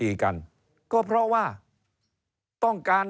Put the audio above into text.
เริ่มตั้งแต่หาเสียงสมัครลง